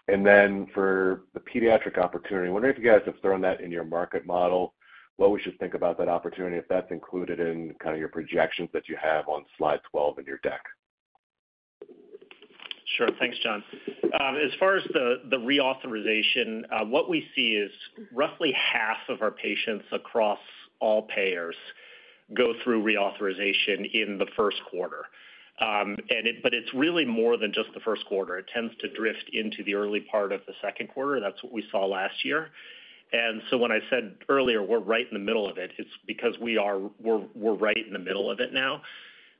And then for the pediatric opportunity, I wonder if you guys have thrown that in your market model, what we should think about that opportunity if that's included in kind of your projections that you have on slide 12 in your deck. Sure. Thanks, John. As far as the reauthorization, what we see is roughly half of our patients across all payers go through reauthorization in the first quarter. But it's really more than just the first quarter. It tends to drift into the early part of the second quarter. That's what we saw last year. And so when I said earlier, we're right in the middle of it. It's because we're right in the middle of it now.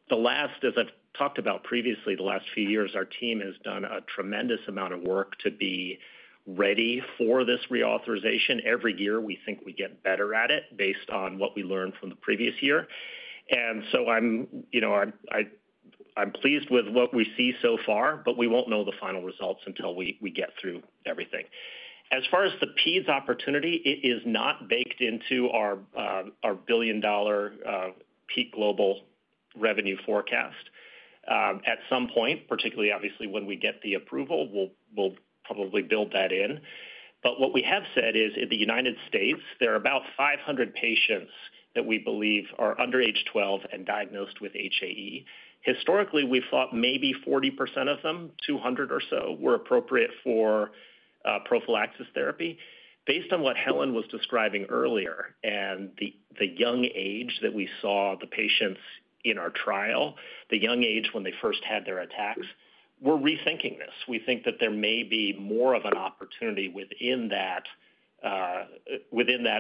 As I've talked about previously, the last few years, our team has done a tremendous amount of work to be ready for this reauthorization. Every year, we think we get better at it based on what we learned from the previous year. And so I'm pleased with what we see so far, but we won't know the final results until we get through everything. As far as the peds opportunity, it is not baked into our billion-dollar peak global revenue forecast. At some point, particularly, obviously, when we get the approval, we'll probably build that in. But what we have said is in the United States, there are about 500 patients that we believe are under age 12 and diagnosed with HAE. Historically, we thought maybe 40% of them, 200 or so, were appropriate for prophylaxis therapy. Based on what Helen was describing earlier and the young age that we saw the patients in our trial, the young age when they first had their attacks, we're rethinking this. We think that there may be more of an opportunity within that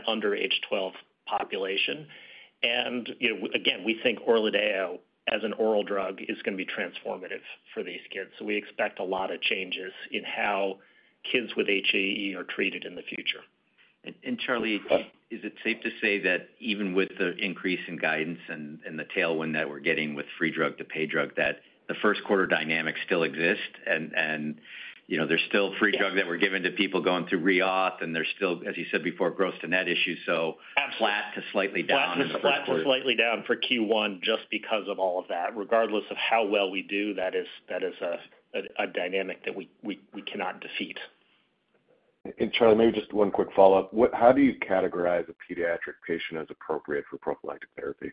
under age 12 population. And again, we think ORLADEYO as an oral drug is going to be transformative for these kids. We expect a lot of changes in how kids with HAE are treated in the future. And Charlie, is it safe to say that even with the increase in guidance and the tailwind that we're getting with free drug to paid drug, that the first quarter dynamics still exist? And there's still free drug that we're giving to people going through reauth, and there's still, as you said before, gross to net issues, so flat to slightly down. Flat to slightly down for Q1 just because of all of that. Regardless of how well we do, that is a dynamic that we cannot defeat. Charlie, maybe just one quick follow-up. How do you categorize a pediatric patient as appropriate for prophylactic therapy?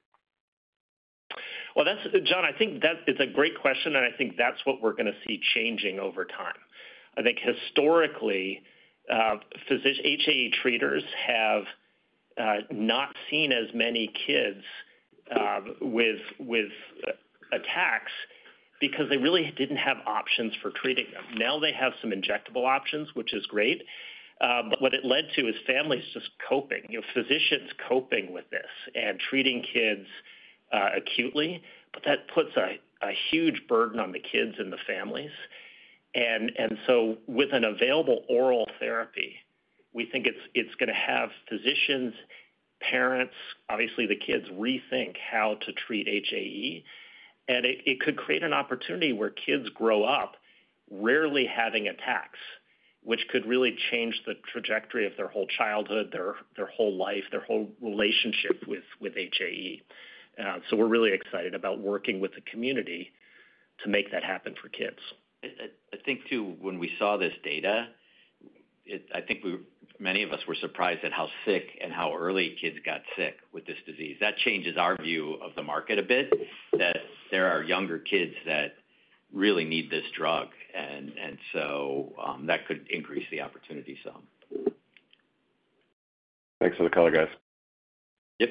Well, Jon, I think that is a great question, and I think that's what we're going to see changing over time. I think historically, HAE treaters have not seen as many kids with attacks because they really didn't have options for treating them. Now they have some injectable options, which is great. But what it led to is families just coping. Physicians coping with this and treating kids acutely. But that puts a huge burden on the kids and the families. And so with an available oral therapy, we think it's going to have physicians, parents, obviously the kids rethink how to treat HAE. And it could create an opportunity where kids grow up rarely having attacks, which could really change the trajectory of their whole childhood, their whole life, their whole relationship with HAE. So we're really excited about working with the community to make that happen for kids. I think, too, when we saw this data, I think many of us were surprised at how sick and how early kids got sick with this disease. That changes our view of the market a bit, that there are younger kids that really need this drug. And so that could increase the opportunity so. Thanks for the call, guys. Yep.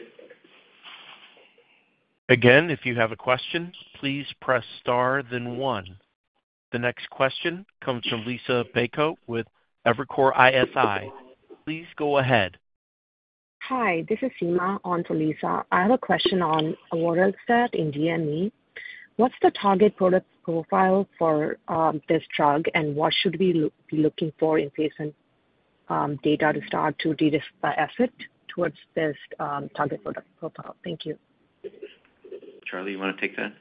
Again, if you have a question, please press star, then one. The next question comes from Liisa Bayko with Evercore ISI. Please go ahead. Hi, this is Seema on for Liisa. I have a question on avoralstat in DME. What's the target product profile for this drug, and what should we be looking for in patient data to start to de-risk the effort towards this target product profile? Thank you. Charlie, you want to take that?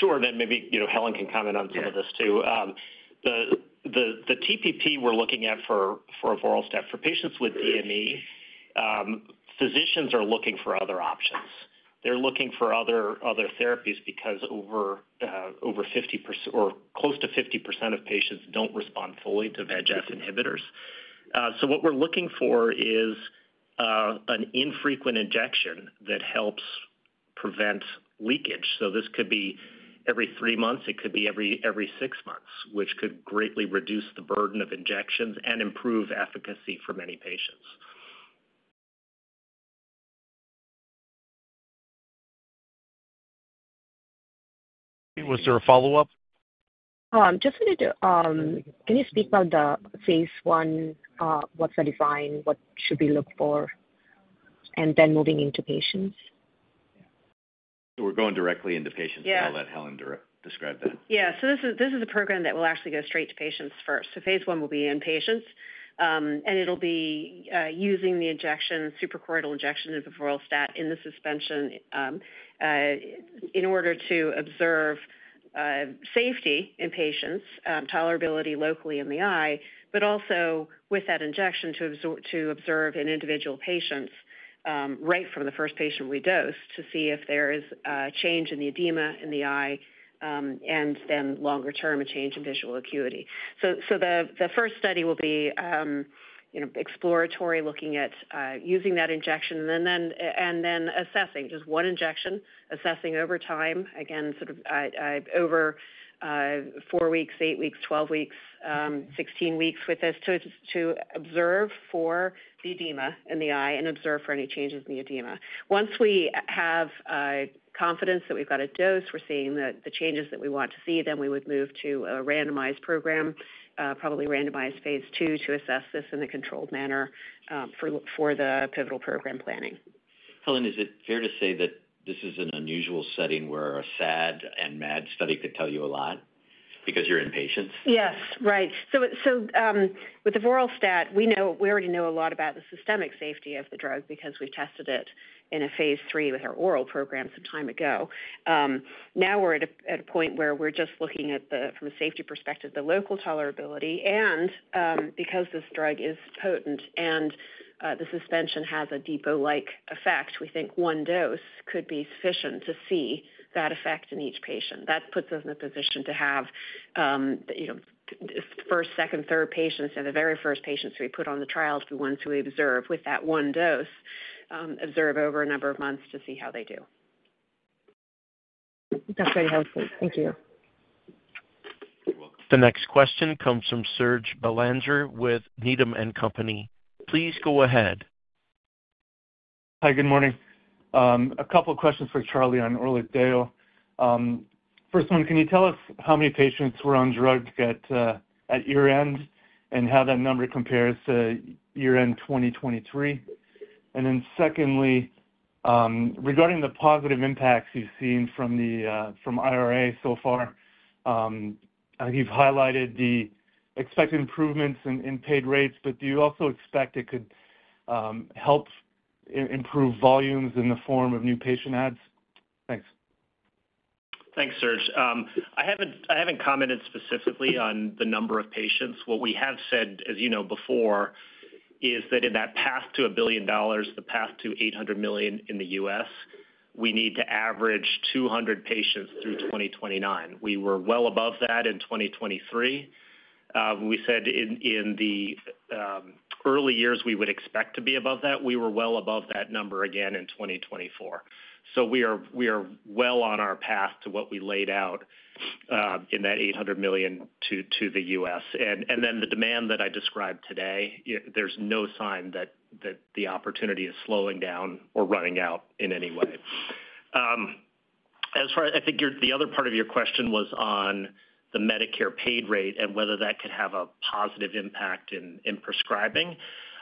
Sure. Then maybe Helen can comment on some of this too. The TPP we're looking at for avoralstat for patients with DME. Physicians are looking for other options. They're looking for other therapies because over 50% or close to 50% of patients don't respond fully to VEGF inhibitors. So what we're looking for is an infrequent injection that helps prevent leakage. So this could be every three months. It could be every six months, which could greatly reduce the burden of injections and improve efficacy for many patients. Was there a follow-up? Just, can you speak about the phase I, what's the design, what should we look for, and then moving into patients? We're going directly into patients now that Helen described that. Yeah. So this is a program that will actually go straight to patients first. So phase I will be in patients. And it will be using the injection, suprachoroidal injection of avoralstat in the suspension in order to observe safety in patients, tolerability locally in the eye, but also with that injection to observe in individual patients right from the first patient we dose to see if there is a change in the edema in the eye and then longer term a change in visual acuity. So the first study will be exploratory, looking at using that injection and then assessing, just one injection, assessing over time, again, sort of over four weeks, eight weeks, 12 weeks, 16 weeks with this to observe for the edema in the eye and observe for any changes in the edema. Once we have confidence that we've got a dose, we're seeing the changes that we want to see, then we would move to a randomized program, probably randomized phase II to assess this in a controlled manner for the pivotal program planning. Helen, is it fair to say that this is an unusual setting where a SAD and MAD study could tell you a lot because you're in patients? Yes. Right. So with the avoralstat, we already know a lot about the systemic safety of the drug because we've tested it in a phase III with our oral program some time ago. Now we're at a point where we're just looking at the, from a safety perspective, the local tolerability. And because this drug is potent and the suspension has a depot-like effect, we think one dose could be sufficient to see that effect in each patient. That puts us in a position to have first, second, third patients, and the very first patients we put on the trial to be ones who we observe with that one dose, observe over a number of months to see how they do. That's very helpful. Thank you. The next question comes from Serge Belanger with Needham & Company. Please go ahead. Hi, good morning. A couple of questions for Charlie on ORLADEYO. First one, can you tell us how many patients were on drugs at year-end and how that number compares to year-end 2023? And then secondly, regarding the positive impacts you've seen from IRA so far, I think you've highlighted the expected improvements in paid rates, but do you also expect it could help improve volumes in the form of new patient adds? Thanks. Thanks, Serge. I haven't commented specifically on the number of patients. What we have said, as you know before, is that in that path to $1 billion, the path to $800 million in the U.S., we need to average 200 patients through 2029. We were well above that in 2023. We said in the early years we would expect to be above that. We were well above that number again in 2024. So we are well on our path to what we laid out in that $800 million to the U.S. And then the demand that I described today, there's no sign that the opportunity is slowing down or running out in any way. I think the other part of your question was on the Medicare paid rate and whether that could have a positive impact in prescribing.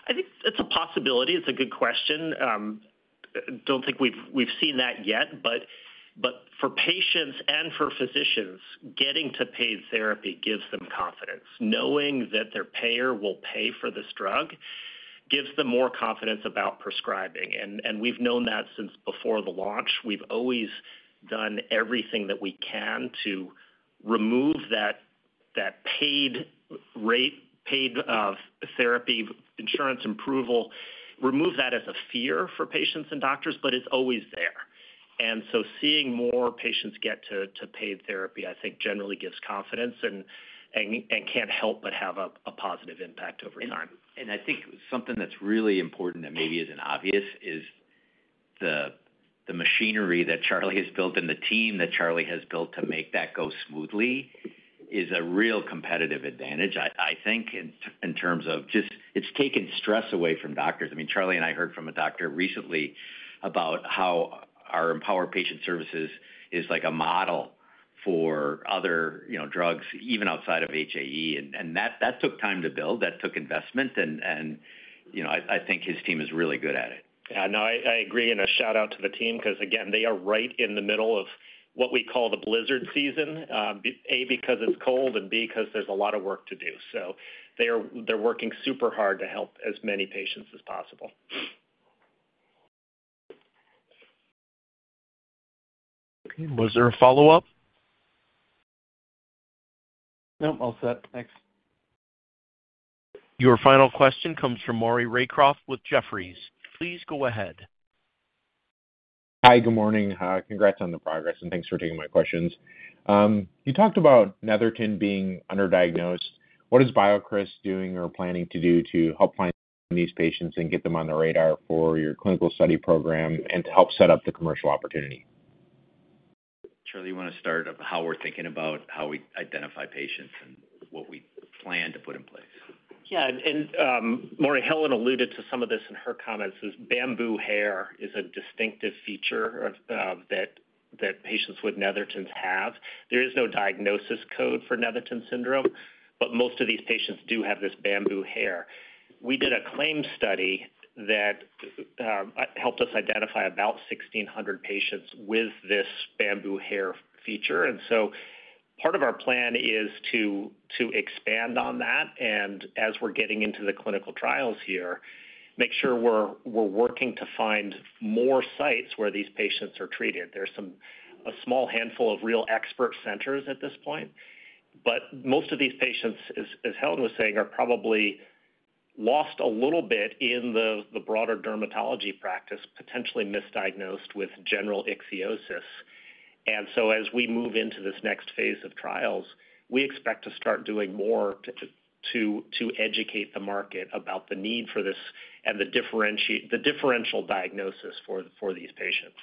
I think it's a possibility. It's a good question. I don't think we've seen that yet. But for patients and for physicians, getting to paid therapy gives them confidence. Knowing that their payer will pay for this drug gives them more confidence about prescribing. And we've known that since before the launch. We've always done everything that we can to remove that paid rate, paid therapy, insurance approval, remove that as a fear for patients and doctors, but it's always there. And so seeing more patients get to paid therapy, I think generally gives confidence and can't help but have a positive impact over time. I think something that's really important that maybe isn't obvious is the machinery that Charlie has built and the team that Charlie has built to make that go smoothly is a real competitive advantage, I think, in terms of just it's taken stress away from doctors. I mean, Charlie and I heard from a doctor recently about how our Empower Patient Services is like a model for other drugs, even outside of HAE. And that took time to build. That took investment. And I think his team is really good at it. Yeah. No, I agree. And a shout-out to the team because, again, they are right in the middle of what we call the blizzard season, A, because it's cold, and B, because there's a lot of work to do. So they're working super hard to help as many patients as possible. Okay. Was there a follow-up? Nope. All set. Thanks. Your final question comes from Maury Raycroft with Jefferies. Please go ahead. Hi, good morning. Congrats on the progress, and thanks for taking my questions. You talked about Netherton being underdiagnosed. What is BioCryst doing or planning to do to help find these patients and get them on the radar for your clinical study program and to help set up the commercial opportunity? Charlie, you want to start off how we're thinking about how we identify patients and what we plan to put in place? Yeah. And Maury, Helen alluded to some of this in her comments. Bamboo hair is a distinctive feature that patients with Netherton have. There is no diagnosis code for Netherton syndrome, but most of these patients do have this bamboo hair. We did a claims study that helped us identify about 1,600 patients with this bamboo hair feature. And so part of our plan is to expand on that. And as we're getting into the clinical trials here, make sure we're working to find more sites where these patients are treated. There's a small handful of real expert centers at this point. But most of these patients, as Helen was saying, are probably lost a little bit in the broader dermatology practice, potentially misdiagnosed with general ichthyosis. And so as we move into this next phase of trials, we expect to start doing more to educate the market about the need for this and the differential diagnosis for these patients.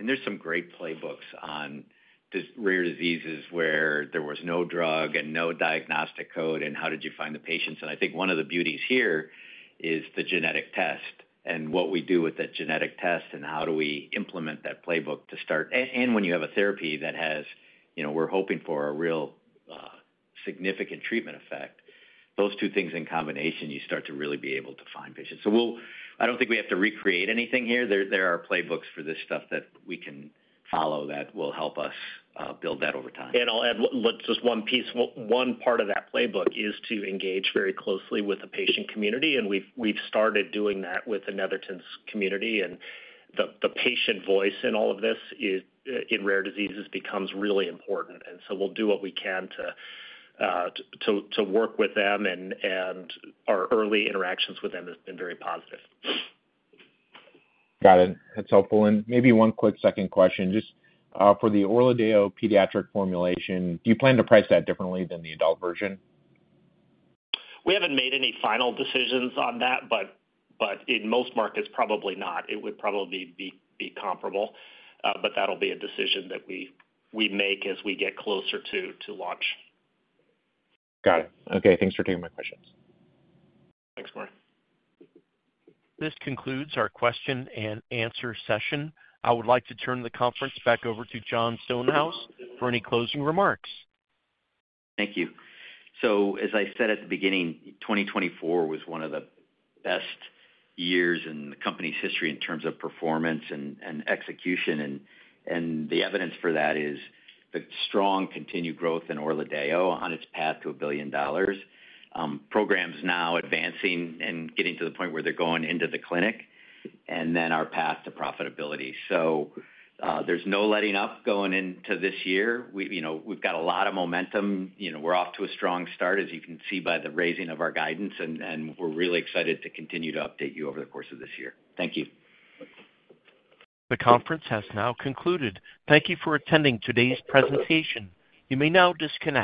There's some great playbooks on rare diseases where there was no drug and no diagnostic code, and how did you find the patients? I think one of the beauties here is the genetic test and what we do with that genetic test and how do we implement that playbook to start. When you have a therapy that has we're hoping for a real significant treatment effect, those two things in combination, you start to really be able to find patients. I don't think we have to recreate anything here. There are playbooks for this stuff that we can follow that will help us build that over time. I'll add just one piece. One part of that playbook is to engage very closely with the patient community. We've started doing that with the Netherton community. The patient voice in all of this in rare diseases becomes really important. We'll do what we can to work with them. Our early interactions with them have been very positive. Got it. That's helpful. And maybe one quick second question. Just for the ORLADEYO pediatric formulation, do you plan to price that differently than the adult version? We haven't made any final decisions on that, but in most markets, probably not. It would probably be comparable. But that'll be a decision that we make as we get closer to launch. Got it. Okay. Thanks for taking my questions. Thanks, Maury. This concludes our question and answer session. I would like to turn the conference back over to Jon Stonehouse for any closing remarks. Thank you. So as I said at the beginning, 2024 was one of the best years in the company's history in terms of performance and execution. And the evidence for that is the strong continued growth in ORLADEYO on its path to a billion dollars, programs now advancing and getting to the point where they're going into the clinic, and then our path to profitability. So there's no letting up going into this year. We've got a lot of momentum. We're off to a strong start, as you can see by the raising of our guidance and we're really excited to continue to update you over the course of this year. Thank you. The conference has now concluded. Thank you for attending today's presentation. You may now disconnect.